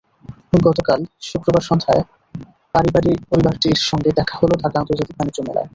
গতকাল শুক্রবার সন্ধ্যায় পরিবারটির সঙ্গে দেখা হলো ঢাকা আন্তর্জাতিক বাণিজ্য মেলায়।